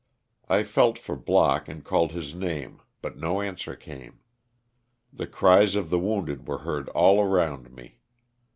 I felt for Block and called his name but no answer came. The cries of the wounded were heard all around me.